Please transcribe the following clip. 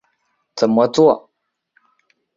怎么作？